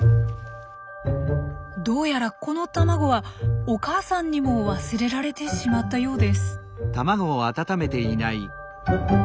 どうやらこの卵はお母さんにも忘れられてしまったようです。